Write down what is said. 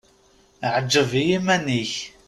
Ɛǧeb i yiman-ik.